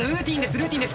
ルーティーンです。